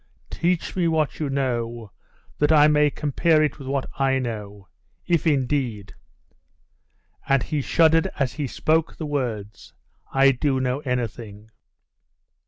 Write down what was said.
Teach me what you know, that I may compare it with what I know.... If indeed' (and he shuddered as he spoke the words) 'I do know anything!